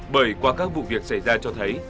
bởi qua các vụ việc xảy ra cho thấy